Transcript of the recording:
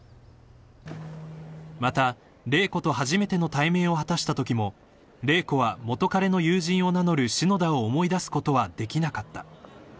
［また麗子と初めての対面を果たしたときも麗子は元カレの友人を名乗る篠田を思い出すことはできなかった］